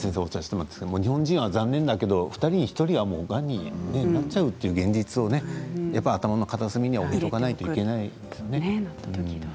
日本人は残念だけど２人に１人ががんになっちゃうという現実を頭の片隅に置いておかないといけませんね。